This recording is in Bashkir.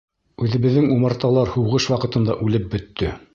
Үҙебеҙҙең умарталар һуғыш ваҡытында үлеп бөттө.